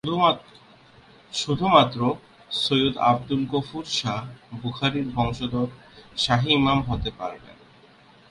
শুধুমাত্র সৈয়দ আব্দুল গফুর শাহ বুখারীর বংশধর শাহী ইমাম হতে পারবেন।